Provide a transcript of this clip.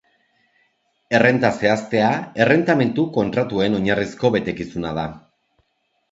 Errenta zehaztea errentamendu kontratuen oinarrizko betekizuna da.